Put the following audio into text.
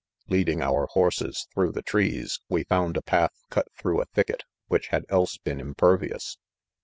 .. Leading our horses through the trees, we found a path cut through a thicket, which had else been impervious.